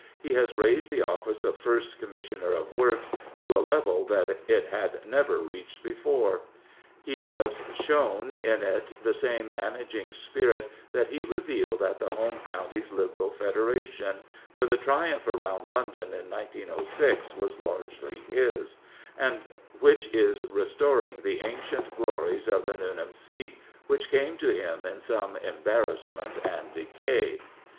He has raised the office of First Commissioner of Works to a level that it had never reached before. He has shown in it the same managing spirit that he revealed at the Home Counties Liberal Federation — for the triumph around London in 1906 was largely his — and which is restoring the ancient glories of the Nuneham seat which came to him in some embarrassment and decay.